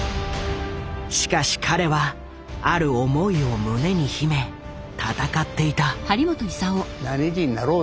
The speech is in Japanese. しかし彼はある思いを胸に秘め戦っていた。